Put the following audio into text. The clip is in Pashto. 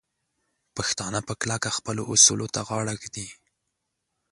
پښتانه په کلکه خپلو اصولو ته غاړه ږدي.